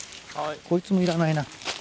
こいつもいらないな。